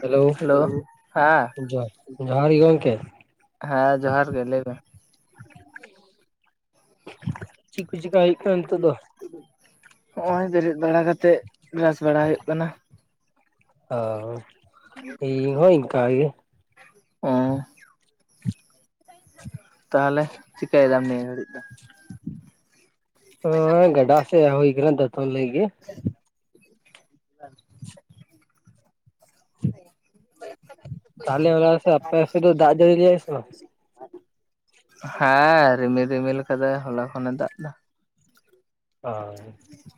Hello ᱦᱮᱸ ᱡᱚᱦᱚᱨ ᱡᱚᱦᱟᱨ ᱜᱮ ᱜᱚᱢᱠᱮ ᱦᱮᱸ ᱡᱚᱦᱟᱨ ᱜᱮ ᱞᱟᱹᱭ ᱵᱮᱱ ᱪᱮᱫ ᱠᱚ ᱪᱮᱠᱟᱭ ᱦᱩᱭᱩᱜ ᱠᱟᱱᱟ ᱱᱤᱛᱳᱜ ᱫᱚ ᱦᱚᱸᱜᱼᱚᱭ ᱵᱮᱨᱮᱫ ᱵᱟᱲᱟ ᱠᱟᱛᱮᱜ ᱵᱮᱨᱟᱥ ᱵᱟᱲᱟ ᱦᱳᱭᱳᱜ ᱠᱟᱱᱟ ᱚ ᱤᱧ ᱦᱚᱸ ᱤᱱᱠᱟᱹ ᱜᱮ ᱚ [unintelligible] ᱛᱟᱦᱞᱮ ᱪᱤᱠᱟᱹᱭ ᱫᱟᱢ ᱱᱤᱭᱟᱹ ᱜᱷᱟᱹᱲᱤᱡ ᱫᱚ [unintelligible] ᱜᱟᱰᱟ ᱥᱮ ᱦᱮᱡ ᱦᱳᱭ ᱟᱠᱟᱱᱟ ᱫᱟᱸᱛᱟᱱ ᱞᱟᱹᱜᱤᱫ [inaudible] ᱛᱟᱦᱞᱮ ᱟᱯᱮ ᱥᱮᱫ ᱫᱚ ᱫᱟᱜ ᱡᱟᱹᱲᱤ ᱞᱮᱜᱟᱭ ᱥᱮ ᱵᱟᱝ ᱦᱮᱸ ᱨᱤᱢᱤᱞ ᱨᱤᱢᱤᱞ ᱟᱠᱟᱫᱟ ᱦᱚᱞᱟ ᱠᱷᱚᱱᱮ ᱫᱟᱜ ᱮᱫᱟ [unintelligible]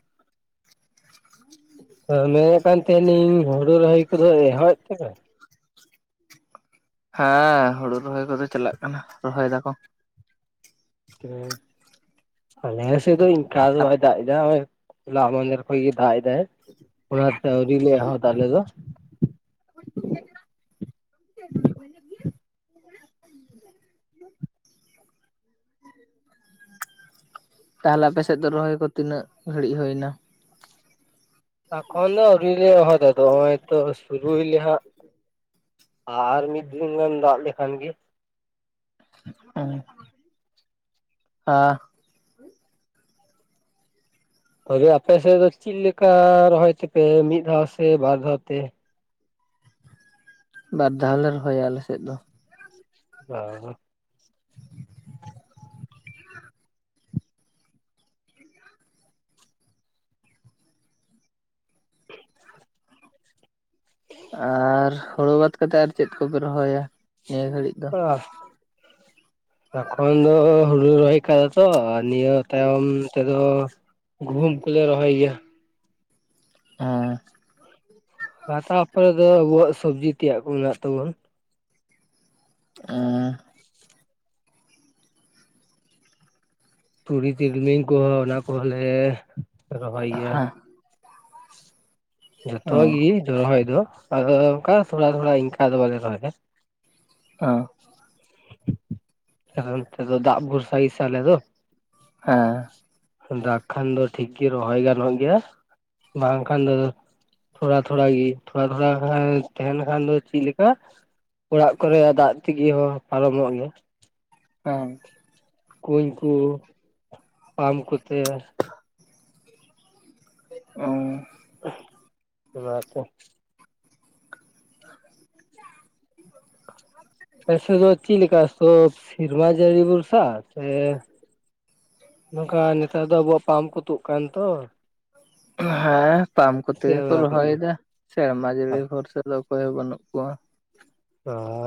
ᱢᱮᱱ ᱠᱟᱱ ᱛᱟᱦᱮᱫ ᱞᱤᱧ ᱦᱩᱲᱩ ᱨᱚᱦᱚᱭ ᱠᱚᱫᱚ ᱮᱦᱚᱵᱮ ᱮᱱᱛᱮᱯᱮ ᱦᱟᱸ ᱦᱳᱲᱳ ᱨᱚᱦᱚᱭ ᱠᱚ ᱫᱚ ᱪᱟᱞᱟᱜ ᱠᱟᱱᱟ ᱨᱚᱦᱚᱭ ᱫᱟ ᱠᱚ [unintelligible] ᱟᱞᱮ ᱥᱮ ᱫᱚ ᱤᱱᱠᱟ ᱫᱚ ᱵᱟᱭ ᱫᱟᱜ ᱮᱫᱟ ᱦᱚᱭ ᱦᱚᱸ ᱞᱟ ᱢᱟᱫᱷᱮᱨ ᱠᱷᱚᱡ ᱜᱮ ᱫᱟᱜ ᱮᱫᱟᱭ ᱚᱱᱟ ᱛᱮ ᱟᱹᱣᱨᱤ ᱞᱮ ᱮᱦᱚᱫᱟ ᱟᱞᱮ ᱫᱚ [unintelligible] ᱛᱟᱦᱞᱮ ᱟᱯᱮ ᱥᱮᱫ ᱫᱚ ᱨᱚᱦᱚᱭ ᱠᱚ ᱛᱤᱱᱟᱹᱜ ᱜᱷᱟᱹᱲᱤᱡ ᱦᱳᱭ-ᱱᱟ ᱮᱠᱷᱚᱱ ᱫᱚ ᱟᱹᱣᱨᱤ ᱞᱮ ᱮᱦᱚᱵᱟ ᱱᱚᱜ-ᱚᱭ ᱛᱚ ᱥᱩᱨᱩᱭ ᱟᱞᱮ ᱦᱟᱸᱜ ᱟᱨ ᱢᱤᱫ ᱫᱤᱱ ᱜᱟᱱ ᱫᱟᱜ ᱞᱮᱠᱷᱟᱱ ᱜᱮᱼᱼ [unintelligible] ᱦᱭ ᱟᱯᱮ ᱥᱮᱫ ᱫᱚ ᱪᱮᱫ ᱞᱮᱠᱟ ᱨᱚᱦᱚᱭ ᱛᱮ ᱯᱮ ᱢᱤᱫ ᱫᱷᱟᱣ ᱥᱮ ᱵᱟᱨ ᱫᱷᱟᱣ ᱛᱮ ᱵᱟᱨ ᱫᱷᱟᱣ ᱞᱮ ᱨᱚᱦᱚᱭ-ᱟ ᱟᱞᱮ ᱥᱮᱫ ᱫᱚ [inaudible] [inaudible] ᱟᱨ ᱦᱳᱲᱳ ᱵᱟᱫ ᱠᱟᱛᱮᱫ ᱟᱨ ᱪᱮᱫ ᱠᱚ ᱯᱮ ᱨᱚᱦᱚᱭ-ᱟ ᱱᱤᱭᱟᱹ ᱜᱷᱟᱹᱲᱤᱡ ᱫᱚ [unintelligible] ᱼᱼ ᱮᱠᱷᱚᱱ ᱫᱚ ᱦᱳᱲᱳ ᱞᱮ ᱨᱚᱦᱚᱭ ᱟᱠᱟᱫᱟ ᱛᱚ ᱱᱤᱭᱟᱹ ᱛᱟᱭᱚᱢ ᱛᱮ ᱫᱚᱼᱼ ᱜᱩᱦᱩᱢ ᱠᱚ ᱞᱮ ᱨᱚᱦᱚᱭ ᱜᱮᱭ-ᱟ᱾ [unintelligible] ᱼᱼ [unintelligible] ᱯᱚᱨᱮ ᱫᱚ ᱟᱵᱚᱣᱟᱜ ᱥᱚᱵᱽᱡᱤ ᱛᱮᱭᱟᱜ ᱠᱚ ᱢᱮᱱᱟᱜ ᱛᱟᱵᱚᱱᱼᱼ [unintelligible] ᱼᱼ ᱛᱩᱲᱤ ᱛᱤᱞᱢᱤᱧ ᱠᱚ ᱦᱚᱸ ᱚᱱᱟ ᱠᱚ ᱦᱚᱸ ᱞᱮ ᱨᱚᱦᱚᱭ ᱜᱮᱭ-ᱟ᱾ [unintelligible] ᱡᱷᱚᱛᱚᱣᱟᱜ ᱜᱮ᱾ ᱨᱚᱦᱚᱭ ᱫᱚ ᱟᱫᱚ ᱚᱝᱠᱟ ᱛᱷᱚᱲᱟ ᱛᱷᱚᱲᱟ ᱤᱱᱠᱟᱹ ᱫᱚ ᱵᱟᱞᱮ ᱨᱚᱦᱚᱭ ᱮᱫᱟᱼᱼ ᱚᱼᱼ [unintelligible] ᱫᱟᱜ ᱵᱚᱨᱥᱟ ᱜᱮ ᱥᱮ ᱟᱞᱮ ᱫᱚᱼᱼ ᱦᱮᱸ᱾ ᱫᱟᱜ ᱠᱷᱟᱱ ᱫᱚ ᱴᱷᱤᱠ ᱜᱮ ᱨᱚᱦᱚᱭ ᱜᱟᱱᱚᱜ ᱜᱮᱭᱼᱟ ᱵᱟᱝ ᱠᱷᱟᱱ ᱫᱚᱼᱼ ᱛᱷᱚᱲᱟ ᱛᱷᱚᱲᱟ ᱜᱤ ᱛᱷᱚᱲᱟ ᱛᱷᱚᱲᱟ ᱛᱟᱦᱮᱱ ᱠᱷᱟᱱ ᱫᱚ ᱪᱤᱫ ᱞᱮᱠᱟᱼᱼ ᱚᱲᱟᱜ ᱠᱚ ᱨᱮᱭᱟ-ᱜ ᱫᱟᱜ ᱛᱮ ᱜᱮ ᱦᱚᱸ ᱯᱟᱨᱚᱢᱚᱜ ᱜᱮᱭᱟᱼᱼ ᱦᱮᱸ᱾ ᱠᱩᱸᱧ ᱠᱚ [unintelligible] ᱯᱟᱢ ᱠᱚ ᱛᱮᱼᱼ ᱚᱼᱼ [unintelligible] ᱚᱱᱟᱛᱮᱼᱼ ᱟᱯᱮ ᱥᱮᱫ ᱫᱚ ᱪᱤᱫ ᱞᱮᱠᱟ [unintelligible] ᱥᱤᱨᱢᱟ ᱡᱟᱹᱲᱤ ᱵᱚᱨᱥᱟ ᱥᱮᱼᱼ ᱱᱚᱝᱠᱟ ᱱᱮᱛᱟᱨ ᱫᱚ ᱟᱵᱚᱣᱟᱜ ᱯᱟᱢ ᱠᱚ ᱛᱩᱫ ᱟᱠᱟᱱᱟ ᱛᱚᱼᱼ ᱦᱮᱸ ᱯᱟᱢ ᱠᱚᱛᱮ ᱥᱮ ᱜᱮᱠᱚ ᱚᱱᱟ ᱨᱚᱦᱚᱭ ᱠᱚᱛᱮ ᱮᱫᱟ᱾ ᱥᱮᱨᱢᱟ ᱡᱟᱹᱲᱤ ᱵᱷᱚᱨᱥᱟ ᱫᱚ ᱚᱠᱚᱭ ᱦᱚᱸ ᱵᱟᱹᱱᱩᱜ ᱠᱚᱣᱟ᱾ [unintelligible] ᱼᱼ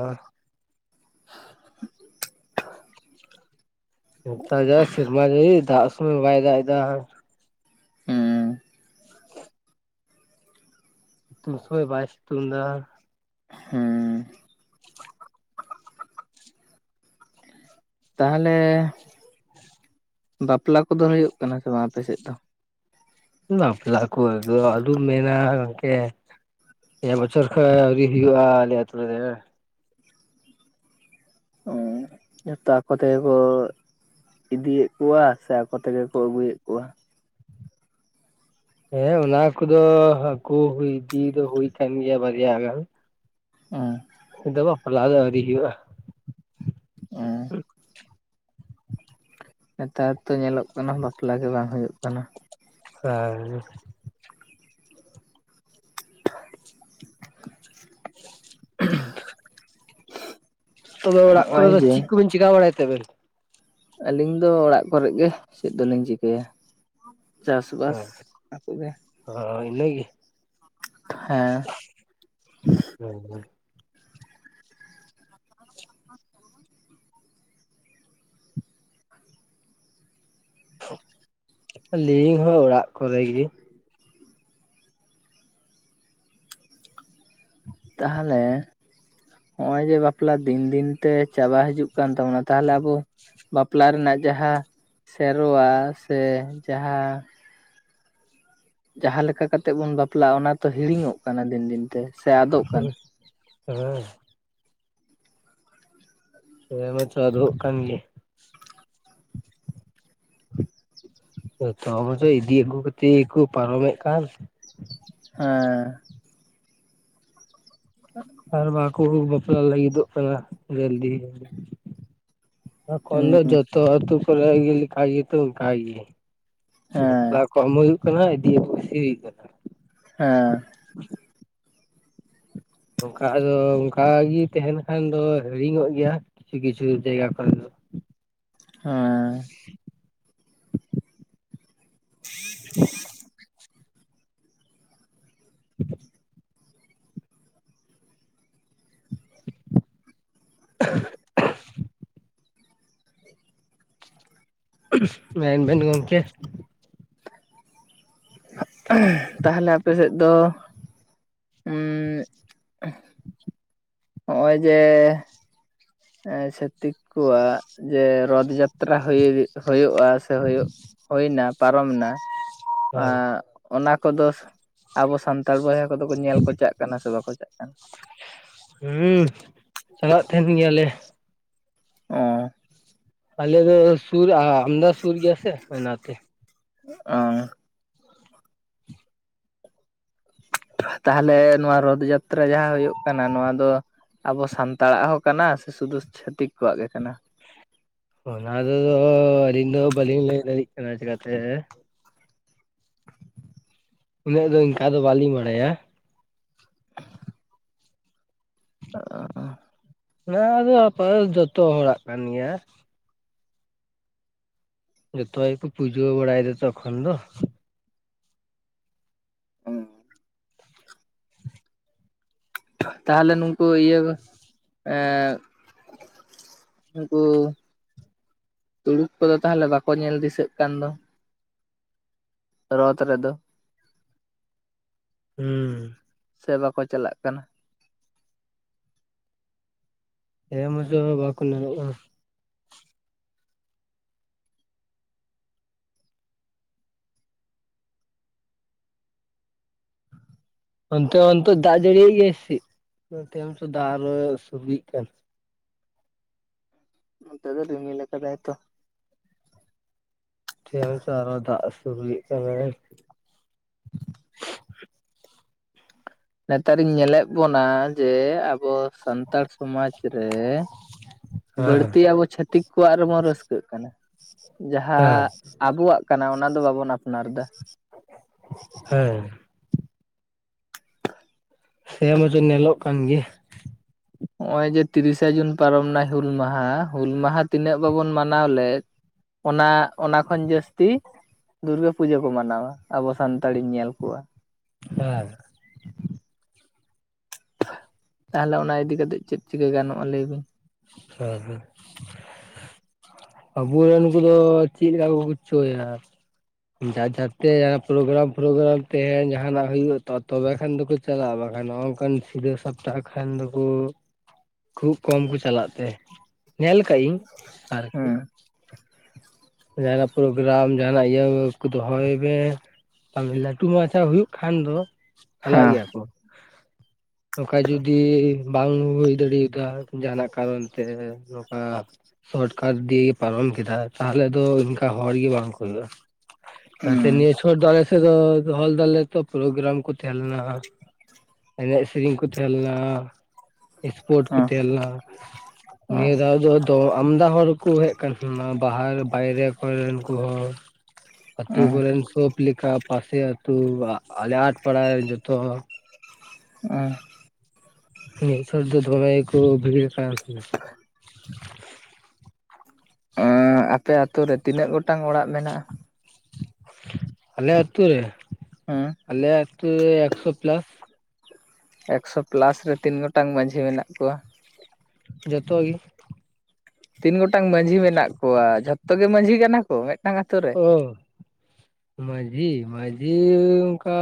ᱱᱮᱛᱟᱨ ᱡᱟ ᱥᱮᱨᱢᱟ ᱡᱟᱲᱤ ᱫᱟᱜ ᱥᱚᱢᱚᱭ ᱵᱟᱭ ᱫᱟᱜ ᱮᱫᱟᱼᱼ ᱦᱮᱸ᱾ ᱥᱤᱛᱩᱝ ᱥᱚᱢᱚᱭ ᱵᱟᱭ ᱥᱤᱛᱩᱝ ᱮᱫᱟᱼᱼ ᱦᱮᱸ᱾ [unintelligible] ᱼᱼ ᱛᱟᱦᱟᱞᱮ [unintelligible] ᱵᱟᱯᱞᱟ ᱠᱚᱫᱚ ᱦᱩᱭᱩᱜ ᱠᱟᱱᱟ ᱥᱮ ᱵᱟᱝ ᱟᱯᱮ ᱥᱮᱫ ᱫᱚ? ᱵᱟᱯᱞᱟ ᱠᱚ [unintelligible] ᱼᱼ ᱢᱮᱱᱟ ᱜᱚᱝᱠᱮ ᱯᱮ ᱵᱚᱪᱷᱚᱨ ᱠᱷᱚᱱ ᱟᱹᱣᱨᱤ ᱦᱩᱭᱩᱜ-ᱟ ᱟᱞᱮ ᱟᱛᱩ ᱨᱮᱼᱼ [unintelligible] ᱡᱷᱚᱛᱚ ᱟᱠᱚ ᱛᱮᱜᱮ ᱠᱚᱼᱼ ᱤᱫᱤᱭᱮᱫ ᱠᱚᱣᱟ ᱥᱮ ᱟᱠᱚ ᱛᱮᱜᱮ ᱠᱚ ᱟᱹᱜᱩᱭᱮᱫ ᱠᱚᱣᱟ? ᱦᱮᱸ ᱚᱱᱟ ᱠᱚᱫᱚ [unintelligible] ᱤᱫᱤ ᱫᱚ ᱦᱩᱭ ᱟᱠᱟᱱ ᱜᱮᱭᱼᱟ ᱵᱟᱨᱭᱼᱟ ᱜᱟᱱᱼᱼ [unintelligible] ᱼᱼ ᱟᱫᱚ ᱵᱟᱯᱞᱟ ᱫᱚ ᱟᱹᱣᱨᱤ ᱦᱩᱭᱩᱜᱼᱟ᱾ [unintelligible] ᱼᱼ ᱱᱮᱛᱟᱨ ᱫᱚ ᱧᱮᱞᱚᱜ ᱠᱟᱱᱟ ᱵᱟᱯᱞᱟ ᱜᱮ ᱵᱟᱝ ᱦᱩᱭᱩᱜ ᱠᱟᱱᱟ᱾ [unintelligible] ᱦᱮᱸ [unintelligible] ᱼᱼ [unintelligible] ᱼᱼ ᱛᱚᱵᱮ ᱚᱲᱟᱜ ᱠᱚᱨᱮ ᱱᱚᱜᱼᱚᱭ ᱫᱚ ᱡᱮ ᱪᱮᱫ ᱠᱚᱵᱮᱱ ᱪᱤᱠᱟ ᱵᱟᱲᱟᱭ ᱛᱮᱵᱮᱱ? ᱟᱹᱞᱤᱧ ᱫᱚ ᱚᱲᱟᱜ ᱠᱚᱨᱮᱜ ᱜᱮ ᱪᱮᱫ ᱫᱚᱞᱤᱧ ᱪᱤᱠᱟᱹᱭᱟᱼᱼ ᱪᱟᱥ ᱵᱟᱥ ᱚᱱᱟ ᱠᱚ ᱜᱮ᱾ ᱦᱳᱭ ᱤᱱᱟᱹ ᱜᱮ᱿ ᱦᱮᱸ᱾ [unintelligible] ᱼᱼ [unintelligible] ᱟᱹᱞᱤᱧ ᱦᱚᱸ ᱚᱲᱟᱜ ᱠᱚᱨᱮ ᱜᱮᱼᱼ ᱛᱟᱦᱚᱞᱮ [unintelligible] ᱼᱼ ᱦᱚᱜ ᱚᱸᱭ ᱡᱮ ᱵᱟᱯᱞᱟ ᱫᱤᱱ ᱫᱤᱱ ᱛᱮ ᱪᱟᱵᱟ ᱦᱤᱡᱩᱜ ᱠᱟᱱ ᱛᱟᱵᱚᱱᱟ, ᱛᱟᱦᱟᱞᱮ ᱟᱵᱚ ᱵᱟᱯᱞᱟ ᱨᱮᱱᱟᱜ ᱡᱟᱦᱟᱸ ᱥᱮᱨᱣᱟ ᱥᱮ ᱡᱟᱦᱟᱸ ᱡᱟᱦᱟᱸ ᱞᱮᱠᱟ ᱠᱟᱛᱮᱜ ᱵᱩᱱ ᱵᱟᱯᱞᱟᱜ-ᱟ ᱚᱱᱟ ᱛᱚ ᱦᱤᱲᱤᱧᱚᱜ ᱠᱟᱱᱟ ᱫᱤᱱ ᱫᱤᱱ ᱛᱮ᱾ ᱥᱮ ᱟᱫᱚᱜ ᱠᱟᱱᱟ [unintelligible] ᱛᱚᱵᱮ ᱢᱟ ᱪᱟ ᱫᱳᱜ ᱠᱟᱱ ᱜᱮ᱾ [unintelligible] ᱮᱛᱚ ᱢᱟᱪᱮ ᱤᱫᱤ ᱭᱮᱜ ᱠᱚ ᱠᱷᱟᱹᱛᱤᱨ ᱠᱚ ᱯᱟᱨᱚᱢᱮᱫ ᱠᱟᱱ᱾ ᱦᱮᱸ᱾ ᱟᱨ ᱵᱟᱠᱚ ᱵᱟᱯᱞᱟ ᱞᱟᱹᱜᱤᱫᱚᱜ ᱠᱟᱱᱟ ᱡᱟᱞᱫᱤ ᱟᱠᱷᱚᱱ ᱫᱚ ᱦᱩᱸ ᱡᱚᱛᱚ ᱟᱹᱛᱩ ᱠᱚᱨᱮ ᱜᱮ ᱠᱷᱟᱭ ᱜᱮᱛᱚ ᱠᱷᱟᱭ ᱜᱮ᱾ ᱦᱮᱸ ᱵᱟᱯᱞᱟ ᱠᱚᱢ ᱦᱩᱭᱩᱜ ᱠᱟᱱᱟ ᱤᱫᱤ ᱟᱹᱜᱩ ᱵᱮᱥᱤ ᱦᱩᱭᱩᱜ ᱠᱟᱱᱟ᱾ ᱦᱮᱸ᱾ ᱚᱱᱠᱟ ᱟᱫᱚ ᱚᱱᱠᱟᱜᱤ ᱛᱟᱦᱮᱱ ᱠᱷᱟᱱ ᱫᱚ ᱦᱤᱲᱤᱧᱚᱜ ᱜᱮᱭᱟ ᱠᱤᱪᱷᱩ ᱠᱤᱪᱷᱩ ᱡᱟᱭᱜᱟ ᱠᱚᱨᱮ ᱫᱚ᱾ ᱦᱮᱸᱻ [unintelligible] [unintelligible] [unintelligible] ᱢᱮᱱ ᱵᱮᱱ ᱜᱚᱝᱠᱮ ᱛᱟᱦᱟᱞᱮ ᱟᱯᱮ ᱥᱮᱫ ᱫᱚ ᱦᱚᱜ-ᱚᱸᱭ ᱡᱮ ᱪᱷᱟᱹᱛᱤᱠ ᱠᱚᱣᱟᱜ ᱡᱮ ᱨᱚᱛ ᱡᱟᱛ ᱛᱨᱟ ᱦᱩᱭᱩᱜ ᱦᱩᱭᱩᱜ-ᱟ ᱥᱮ ᱦᱩᱭᱱᱟ ᱯᱟᱨᱚᱢᱱᱟ ᱦᱳᱭ ᱮᱸᱜ ᱚᱱᱟ ᱠᱚᱫᱚ ᱟᱵᱚ ᱥᱟᱱᱛᱟᱲ ᱵᱚᱭᱦᱟ ᱠᱚᱫᱚ ᱠᱚ ᱧᱮᱞ ᱠᱚ ᱪᱟᱜ ᱠᱟᱱᱟ ᱥᱮ ᱵᱟᱠᱚ ᱪᱟᱜ ᱠᱟᱱᱟ? ᱦᱩᱸ ᱪᱟᱞᱟᱜ ᱛᱟᱦᱮᱱ ᱜᱮᱭᱟᱞᱮ᱾ ᱚᱸ᱾ ᱟᱞᱮ ᱫᱚ ᱥᱩᱨ ᱟᱢᱫᱚ ᱥᱩᱨ ᱜᱮᱭᱟ ᱥᱮ ᱚᱱᱟᱛᱮ᱾ ᱚ᱾ ᱛᱟᱦᱚᱞᱮ ᱱᱚᱣᱟ ᱨᱚᱫᱽ ᱡᱟᱛᱨᱟ ᱡᱟᱦᱟᱸ ᱦᱩᱭᱩᱜ ᱠᱟᱱᱟ ᱱᱚᱶᱟ ᱫᱚ ᱟᱵᱚ ᱥᱟᱱᱛᱟᱲᱟᱜ ᱦᱚᱸ ᱠᱟᱱᱟ ᱥᱮ ᱥᱩᱫᱩ ᱪᱷᱟᱹᱛᱤᱠ ᱠᱚᱣᱟᱜ ᱜᱮ ᱠᱟᱱᱟ? ᱚᱱᱟ ᱨᱮ ᱫᱚ ᱟᱹᱞᱤᱧ ᱫᱚ ᱵᱟᱹᱞᱤᱧ ᱞᱟᱹᱭ ᱫᱟᱲᱤᱜ ᱠᱟᱱᱟ ᱪᱮᱠᱟ ᱛᱮ? ᱩᱱᱟᱹᱜ ᱫᱚ ᱤᱱᱠᱟ ᱫᱚ ᱵᱟᱞᱤᱧ ᱵᱟᱲᱟᱭᱟ᱾ ᱟᱹᱜ ᱟᱸᱻ᱾ ᱚᱱᱟ ᱟᱫᱚ ᱟᱯᱱᱟᱨ ᱡᱚᱛᱚ ᱦᱚᱲᱟᱜ ᱠᱟᱱ ᱜᱮᱭᱟ᱾ ᱡᱚᱛᱚ ᱜᱮᱠᱚ ᱯᱩᱡᱟᱹ ᱵᱟᱲᱟᱭ ᱫᱟ ᱛᱚᱠᱷᱚᱱ ᱫᱚ᱾ ᱛᱟᱦᱚᱞᱮ ᱱᱩᱝᱠᱩ ᱤᱭᱟᱹ ᱮᱸᱜᱼᱼ ᱩᱱᱠᱩ ᱛᱩᱲᱩᱠ ᱠᱩᱫᱚ ᱛᱟᱦᱚᱞᱮ ᱵᱟᱠᱚ ᱧᱮᱞ ᱫᱤᱥᱟᱹᱜ ᱠᱟᱱ ᱫᱚ? ᱨᱚᱛ ᱨᱮᱫᱚ? ᱦᱩᱸ ᱥᱮ ᱵᱟᱠᱚ ᱪᱟᱞᱟᱜ ᱠᱟᱱᱟ? ᱦᱮᱢ ᱫᱚ ᱵᱟᱠᱚ ᱱᱟᱨᱚᱜ-ᱟ᱾ ᱚᱱᱛᱮ ᱚᱱᱛᱮ ᱫᱟᱜ ᱡᱟᱹᱲᱤ ᱭᱮᱜ ᱜᱮᱭᱟᱭ ᱥᱮ? ᱥᱤᱜ ᱱᱚᱛᱮ ᱢᱟᱛᱚ ᱫᱟᱜ ᱚᱨᱚᱭ ᱥᱟᱹᱨᱫᱤ ᱭᱮᱜ ᱠᱟᱱ᱾ ᱱᱚᱛᱮ ᱫᱚ ᱨᱤᱢᱤᱞ‌ ᱠᱟᱫᱟᱭ ᱛᱚ᱾ ᱛᱮ ‌ᱢᱟᱛᱚ ᱟᱨᱚ ᱫᱟᱜ ᱥᱩᱨᱩᱭᱮᱜ ᱠᱟᱱᱟᱭ᱾ ᱱᱮᱛᱟᱨᱤᱧ ᱧᱮᱞᱮᱜ ᱵᱚᱱᱟ ᱡᱮ ᱟᱵᱚᱼᱼ ᱥᱟᱱᱛᱟᱲ ᱥᱩᱢᱟᱪ ᱨᱮ ᱦᱮᱸ ᱵᱟᱹᱲᱛᱤ ᱟᱵᱚ ᱪᱷᱟᱹᱛᱤᱠᱼᱼ ᱠᱩᱣᱟᱜ ᱨᱮᱵᱚᱱ ᱨᱟᱹᱥᱠᱟᱹᱜ ᱠᱟᱱᱟ, ᱦᱮᱸ ᱡᱟᱦᱟᱸ ᱟᱵᱚᱣᱟᱜ ᱠᱟᱱᱟ ᱚᱱᱟ ᱫᱚ ᱵᱟᱵᱚᱱ ᱟᱯᱱᱟᱨ ᱮᱫᱟ ᱦᱮᱸ᱾ ᱪᱷᱮ ᱢᱟᱡᱮ ᱱᱮᱞᱚᱜ ᱠᱟᱱ ᱜᱮᱭᱟ᱾ ᱱᱚᱜ-ᱚᱭ ᱡᱮ ᱛᱤᱨᱤᱥᱟ ᱡᱩᱱ ᱯᱟᱨᱚᱢ ᱱᱟᱭ ᱦᱩᱞ ᱢᱟᱦᱟᱸ, ᱦᱩᱞ ᱢᱟᱦᱟᱸ ᱛᱤᱱᱟᱹᱜ ᱵᱟᱹᱵᱩᱱ ᱢᱟᱱᱟᱣ ᱞᱮᱫ, ᱼᱼ ᱚᱱᱟ ᱚᱱᱟ ᱠᱷᱚᱱ ᱡᱟᱹᱥᱛᱤᱼᱼ ᱫᱩᱨᱜᱟᱹ ᱯᱩᱡᱟᱹ ᱠᱚ ᱢᱟᱱᱟᱶᱟ ᱟᱵᱚ ᱥᱟᱱᱛᱟᱲᱤᱧ ᱧᱮᱞ ᱠᱚᱣᱟ᱾ ᱦᱮᱸ᱾ ᱛᱟᱦᱚᱞᱮ ᱚᱱᱟ ᱤᱫᱤ ᱠᱟᱛᱮᱫ ᱪᱮᱫ ᱪᱤᱠᱟᱹ ᱜᱟᱱᱚᱜ-ᱟ ᱞᱟᱹᱭ ᱵᱤᱱ? [unintelligible] ᱟᱵᱚ ᱨᱮᱱ ᱠᱩᱫᱚ ᱪᱤᱜ ᱞᱮᱠᱟ ᱠᱚ ᱠᱩ ᱪᱚᱭᱟ᱾ ᱡᱟ ᱡᱟᱛᱮ ᱡᱟᱦᱟᱸ ᱯᱨᱳᱜᱽᱨᱟᱢ ᱯᱨᱳᱜᱽᱨᱟᱢ ᱛᱮ ᱡᱟᱦᱟᱸ ᱱᱟᱜ ᱦᱩᱭᱩᱜ ᱛᱚ ᱛᱚᱵᱮ ᱠᱷᱟᱱ ᱫᱚ ᱠᱩ ᱪᱟᱞᱟᱜ-ᱟ ᱵᱟᱠᱷᱟᱱ ᱱᱚᱜ-ᱚ ᱱᱚᱠᱟᱱ ᱥᱤᱫᱷᱟᱹ ᱥᱟᱯᱴᱟᱦ ᱠᱷᱟᱱ ᱫᱚ ᱠᱩ ᱠᱷᱩᱵ ᱠᱚᱢ ᱠᱚ ᱪᱟᱞᱟᱜ ᱛᱮ ᱧᱮᱞ ᱠᱟᱜ ᱤᱧ ᱟᱨ ᱠᱤ᱾ ᱦᱮᱸ ᱡᱟᱦᱟᱸ ᱱᱟᱜ ᱯᱨᱳᱜᱽᱨᱟᱢ ᱡᱟᱦᱟᱸ ᱱᱟᱜ ᱤᱭᱟᱹ ᱠᱩ ᱫᱚᱦᱚᱭ ᱢᱮ ᱛᱚ ᱢᱮᱞᱟ‌ ᱞᱟᱹᱴᱩ ᱢᱟᱪᱷᱟ ᱦᱩᱭᱩᱜ ᱠᱷᱟᱱ ᱫᱚ ᱪᱟᱞᱟᱜ ᱦᱮᱸ ᱜᱮᱭᱟ ᱠᱚ᱾ ᱱᱚᱝᱠᱟ ᱡᱩᱫᱤ ᱵᱟᱝ ᱦᱩᱭ ᱫᱟᱲᱤᱭ ᱫᱟ ᱡᱟᱦᱟᱸ ᱱᱟᱜ ᱠᱟᱨᱚᱱ ᱛᱮ᱾ ᱱᱚᱝᱠᱟ ᱥᱚᱴᱠᱟᱴ ᱫᱤᱭ ᱯᱟᱨᱚᱢ ᱠᱮᱫᱟ ᱛᱟᱨ ᱯᱚᱨᱮ ᱫᱚ ᱤᱱᱠᱟ ᱦᱚᱲ ᱜᱤ ᱵᱟᱝ ᱦᱩᱭᱩᱜ-ᱟ, ᱡᱟᱛᱮ ᱱᱤᱭᱟᱹ ᱦᱩᱸ ᱪᱷᱚᱴ ᱫᱚ ᱟᱞᱮ ᱥᱮᱜ ᱫᱚ ᱫᱚᱦᱚ ᱫᱟᱞᱮ ᱛᱚ ᱯᱨᱳᱜᱽᱨᱟᱢ ᱠᱩ ᱛᱮᱦᱮᱸ ᱞᱮᱱᱟ᱾ ᱮᱱᱮᱡ ᱥᱮᱨᱮᱧ ᱠᱩ ᱛᱮᱦᱮᱸ ᱞᱮᱱᱟ ᱮᱥᱯᱳᱨᱴ ᱠᱚ ᱛᱮᱦᱮᱸ ᱞᱮᱱᱟ᱾ ᱱᱤᱭᱟᱹ ᱫᱷᱟᱣ ᱫᱚ ᱫᱚ ᱟᱢᱫᱟ ᱦᱚᱲ ᱠᱚ ᱦᱮᱡ ᱟᱠᱟᱱ ᱛᱮᱦᱮᱸᱱᱟ ᱵᱟᱦᱟᱨ ᱵᱟᱭᱨᱮ ᱠᱚᱨᱮᱱ ᱠᱩ ᱦᱚᱸ ᱟᱹᱛᱩ ᱠᱚᱨᱮᱱ ᱥᱳᱯ ᱞᱤᱠᱟ ᱯᱟᱥᱮ ᱟᱹᱛᱩ ᱣᱟᱜ ᱟᱞᱮ ᱟᱴ ᱯᱟᱲᱟ ᱨᱮᱱ ᱡᱚᱛᱚ ᱦᱚᱲ᱾ [unintelligible] ᱱᱤᱛ [unintelligible] ᱫᱚ ᱫᱚᱢᱮ ᱠᱩ ᱵᱷᱤᱲ ᱠᱟᱱ ᱛᱮᱦᱮᱱᱟ᱾ ᱟᱸ ᱟᱯᱮ ᱟᱛᱳ ᱨᱮ ᱛᱤᱱᱟᱹᱜ ᱜᱚᱴᱟᱝ ᱚᱲᱟᱜ ᱢᱮᱱᱟᱜ-ᱟ? ᱟᱞᱮ ᱟᱹᱛᱩ ᱨᱮ? [unintelligible] ᱟᱞᱮ ᱟᱹᱛᱩ ᱨᱮ ᱮᱠᱥᱚ ᱯᱞᱟᱥ᱾ ᱮᱠᱥᱚ ᱯᱞᱟᱥ ᱨᱮ ᱛᱤᱱ ᱜᱚᱴᱟᱝ ᱢᱟᱺᱡᱷᱤ ᱢᱮᱱᱟᱜ ᱠᱚᱣᱟ? ᱡᱚᱛᱚ ᱜᱤ᱾ ᱛᱤᱱ ᱜᱚᱴᱟᱝ ᱢᱟᱸᱡᱷᱤ ᱢᱮᱱᱟᱜ ᱠᱚᱣᱟ ᱡᱷᱚᱛᱚ ᱜᱮ ᱢᱟᱸᱡᱷᱤ ᱠᱟᱱᱟ ᱠᱚ ᱢᱤᱫ ᱴᱟᱝ ᱟᱛᱳ ᱨᱮ [unintelligible] ᱢᱟᱸᱡᱷᱤ ᱢᱟᱸᱡᱷᱤ ᱚᱱᱠᱟ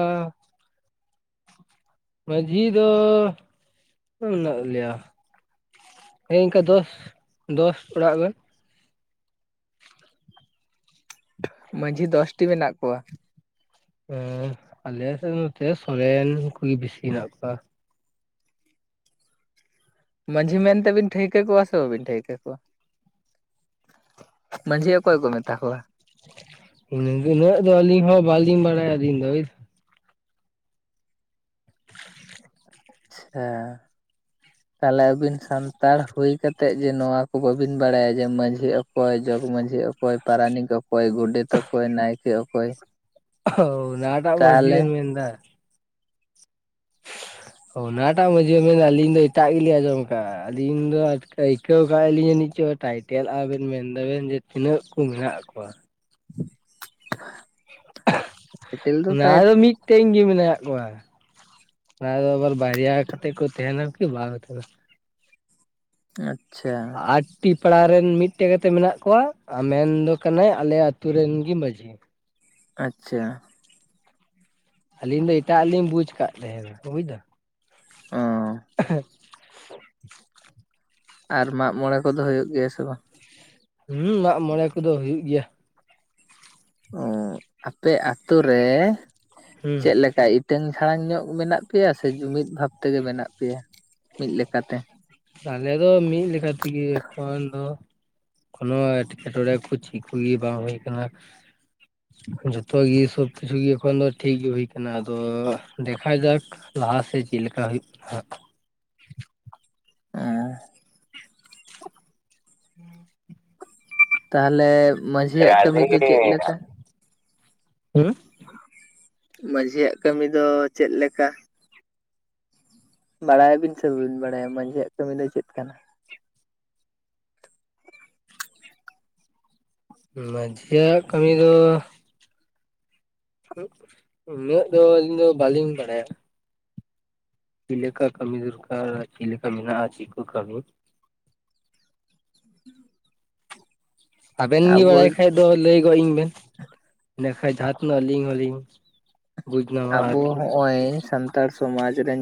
ᱢᱟᱸᱡᱷᱤ ᱫᱚ ᱛᱤᱱᱟᱹᱜ ᱢᱮᱱᱟᱜ ᱞᱮᱭᱟ ᱦᱮᱸ ᱤᱱᱠᱟᱹ ᱫᱚᱥ ᱫᱚᱥ ᱚᱲᱟᱜ ᱜᱮ ᱢᱟᱺᱡᱷᱤ ᱫᱚᱥᱴᱤ ᱢᱮᱱᱟᱜ ᱠᱚᱣᱟ ᱦᱮᱸ ᱟᱞᱮ ᱥᱮᱫ ᱱᱚᱛᱮ ᱥᱚᱨᱮᱱ ᱠᱚᱜᱮ ᱵᱮᱥᱤ ᱦᱮᱱᱟᱜ ᱠᱚᱣᱟ᱾ ᱢᱟᱺᱡᱷᱤ ᱢᱮᱱᱛᱮ ᱵᱤᱱ ᱴᱷᱟᱹᱣᱠᱟᱹ ᱠᱚᱣᱟ ᱥᱮ ᱵᱟᱵᱤᱱ ᱴᱷᱟᱹᱣᱠᱟᱹ ᱢᱟᱹᱡᱷᱤ ᱚᱠᱚᱭ ᱠᱚ ᱢᱮᱛᱟ ᱠᱚᱣᱟ? ᱩᱱᱟᱹᱜ ᱫᱚ ᱟᱹᱞᱤᱧ ᱦᱚᱸ ᱵᱟᱞᱤᱧ ᱵᱟᱲᱟᱭᱟ ᱟᱹᱞᱤᱧ ᱫᱚ [unintelligible] [unintelligible] [inaudible] ᱛᱟᱦᱚᱞᱮ ᱟᱵᱤᱱ ᱥᱟᱱᱛᱟᱲ ᱦᱩᱭ ᱠᱟᱛᱮᱜ ᱡᱮ ᱱᱚᱣᱟ ᱠᱚ ᱵᱟᱵᱤᱱ ᱵᱟᱲᱟᱭᱟ ᱡᱮ ᱢᱟᱸᱡᱷᱤ ᱚᱠᱚᱭ ᱡᱚᱜᱽ ᱢᱟᱸᱡᱷᱤ ᱚᱠᱚᱭ ᱚᱠᱚᱭ ᱯᱟᱨᱟᱱᱤᱠ ᱚᱠᱚᱭ ᱜᱚᱰᱮᱛ ᱚᱠᱚᱭ ᱱᱟᱭᱠᱮ ᱚᱠᱚᱭ [unintelligible] ᱚᱱᱟ ᱴᱟᱜ ᱢᱟᱸᱡᱷᱤ ᱵᱮᱱ ᱛᱟᱦᱚᱞᱮ ᱢᱮᱱ-ᱫᱟ ᱚᱱᱟᱴᱟᱜ ᱢᱟᱸᱡᱷᱤ [unintelligible] ᱟᱹᱞᱤᱧ ᱫᱚ ᱮᱴᱟᱜ ᱜᱮᱞᱤᱧ ᱟᱸᱡᱚᱢ ᱠᱟᱜᱼᱟ ᱟᱹᱞᱤᱧ ᱫᱚ ᱟᱹᱭᱠᱟᱹᱣ ᱟᱠᱟᱫ ᱞᱤᱧ ᱡᱟᱱᱤᱡ ᱪᱚ ᱴᱟᱭ ᱴᱮᱞ ᱟᱵᱮᱱ ᱢᱮᱱᱫᱟ ᱵᱮᱱ ᱡᱮ ᱛᱤᱱᱟᱹᱜ ᱠᱚ ᱢᱮᱱᱟᱜ ᱠᱚᱣᱟ ᱴᱟᱭᱴᱮᱞ ᱫᱚ ᱚᱱᱟᱫᱚ ᱴᱟᱭᱴᱮᱞ ᱢᱤᱫ ᱴᱮᱱ ᱜᱮ ᱢᱮᱱᱟᱜ ᱠᱚᱣᱟ᱾ ᱚᱱᱟ ᱫᱚ ᱟᱵᱟᱨ ᱵᱟᱨᱭᱟ ᱠᱟᱛᱮᱫ ᱠᱚ ᱛᱟᱦᱮᱱᱟ ᱠᱤ ᱵᱟᱠᱚ ᱛᱟᱦᱮᱱᱟ ᱾ ᱟᱪᱪᱷᱟ ᱢᱤᱴᱤᱡ ᱯᱟᱲᱟᱨᱮᱱ ᱢᱤᱫ ᱴᱟᱝ ᱠᱟᱛᱮ ᱜᱮ ᱢᱮᱱᱟᱜ ᱠᱚᱣᱟ ᱟᱨ ᱢᱮᱱ ᱫᱚ ᱠᱟᱱᱟᱭ ᱟᱞᱮ ᱟᱛᱳ ᱨᱮᱱ ᱜᱮ ᱢᱟᱺᱡᱷᱤ ᱟᱪᱪᱷᱟ ᱟᱹᱞᱤᱧ ᱫᱚ ᱮᱴᱟᱜᱼᱟ ᱞᱤᱧ ᱵᱩᱡᱽ ᱟᱠᱟᱫ ᱛᱟᱦᱮᱸᱱᱟ ᱵᱩᱡ ᱫᱟᱢ [inaudible] ᱚ ᱟᱨ ᱢᱟᱜ ᱢᱚᱬᱮ ᱠᱚᱫᱚ ᱦᱩᱭᱩᱜ ᱜᱮᱭᱟ ᱥᱮ ᱵᱟᱝ? ᱦᱩᱸ ᱢᱟᱜ ᱢᱚᱬᱮ ᱠᱚᱫᱚ ᱦᱩᱭᱩᱜ ᱜᱮᱭᱟ᱾ ᱚ ᱟᱯᱮ ᱟᱹᱛᱩ ᱨᱮ ᱦᱩᱸ ᱪᱮᱫ ᱞᱮᱠᱟ ᱦᱤᱴᱟᱹᱝ-ᱡᱟᱲᱟᱝ ᱧᱚᱜ ᱢᱮᱱᱟᱜ ᱯᱮᱭᱟ ᱥᱮ ᱡᱩᱢᱤᱫ ᱵᱷᱟᱵ ᱛᱮᱜᱮ ᱢᱮᱱᱟᱜ ᱯᱮᱭᱟ ᱢᱤᱫ ᱞᱮᱠᱟᱛᱮ ᱟᱞᱮ ᱫᱚ ᱢᱤᱫ ᱞᱮᱠᱟ ᱛᱮᱜᱮ ᱮᱠᱷᱚᱱ ᱫᱚ ᱱᱚᱣᱟ ᱮᱴᱠᱮᱴᱚᱬᱮ ᱠᱚ ᱪᱮᱫ ᱠᱚᱜᱮ ᱵᱟᱝ ᱦᱩᱭ ᱟᱠᱟᱱᱟ ᱡᱷᱚᱛᱚ ᱜᱮ ᱥᱚᱵ ᱠᱤᱪᱷᱩ ᱜᱮ ᱮᱠᱷᱚᱱ ᱫᱚ ᱴᱷᱤᱠ ᱜᱮ ᱦᱩᱭ ᱟᱠᱟᱱᱟ ᱟᱫᱚ ᱫᱮᱠᱷᱟ ᱡᱟᱠ ᱞᱟᱦᱟ ᱥᱮᱫ ᱪᱮᱫ ᱞᱮᱠᱟ ᱦᱩᱭᱩᱜ ᱠᱟᱱᱟ ᱦᱟᱜ ᱦᱩᱸ ᱪᱮᱫ ᱦᱚᱸ ᱵᱟᱝ ᱟᱸᱡᱚᱢᱚᱜ ᱠᱟᱱᱟ ᱾ ᱛᱟᱦᱚᱞᱮ ᱢᱟᱺᱡᱷᱤᱭᱟᱜ ᱠᱟᱹᱢᱤ ᱨᱟᱫᱷᱮ ᱫᱚ ᱪᱮᱫ ᱞᱮᱠᱟ? ᱦᱩᱸ ᱢᱟᱺᱡᱷᱤᱭᱟᱜ ᱠᱟᱹᱢᱤ ᱫᱚ ᱪᱮᱫ ᱞᱮᱠᱟ? ᱵᱟᱲᱟᱭ ᱟᱵᱤᱱ ᱥᱮ ᱵᱟᱹᱵᱤᱱ ᱵᱟᱲᱟᱭᱟ ᱢᱟᱺᱡᱷᱤᱭᱟᱜ ᱠᱟᱹᱢᱤ ᱫᱚ ᱪᱮᱫ ᱠᱟᱱᱟ ᱢᱟᱹᱡᱷᱤᱭᱟᱜ ᱠᱟᱹᱢᱤ ᱫᱚ ᱩᱱᱟᱹᱜ ᱫᱚ ᱟᱹᱞᱤᱧ ᱫᱚ ᱵᱟᱹᱞᱤᱧ ᱵᱟᱲᱟᱭᱟ ᱪᱮᱫ ᱞᱮᱠᱟ ᱠᱟᱹᱢᱤ ᱫᱚᱨᱠᱟᱨ ᱪᱮᱫ ᱞᱮᱠᱟ ᱢᱮᱱᱟᱜᱼᱟ ᱪᱮᱫ ᱠᱚ ᱠᱟᱹᱢᱤ ᱪᱮᱫ ᱦᱚᱸ ᱵᱟᱝ ᱟᱸᱡᱚᱢᱚᱜ ᱠᱟᱱᱟ ᱾ ᱟᱵᱮᱱ ᱜᱮ ᱵᱟᱲᱟᱭ ᱠᱷᱟᱡ ᱫᱚ ᱞᱟᱹᱭ ᱜᱚᱜ ᱟᱹᱧ ᱵᱮᱱ ᱮᱰᱮᱠᱷᱟᱱ ᱡᱟᱦᱟᱸ ᱛᱤᱱᱟᱹᱜ ᱟᱹᱞᱤᱧ ᱦᱚᱞᱤᱧ ᱵᱩᱡᱽ ᱧᱟᱢᱟ ᱟᱵᱚ ᱟᱨᱠᱤ ᱦᱚᱸᱜᱼᱚᱭ ᱥᱟᱱᱛᱟᱲ ᱥᱚᱢᱟᱡᱽ ᱨᱮᱱ